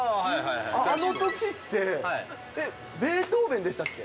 あのときって、ベートーベンでしたっけ？